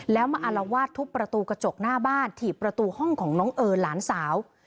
แล้วมาอารวาสทุบประตูกระจกหน้าบ้านถีบประตูห้องของน้องเอิญหลานสาว